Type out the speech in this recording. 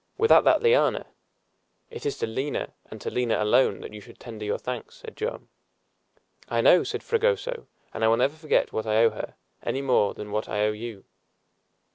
Without that liana " "It is to Lina, and to Lina alone, that you should tender your thanks," said Joam. "I know," said Fragoso, "and I will never forget what I owe here, any more than what I owe you."